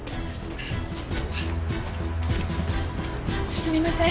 すみません。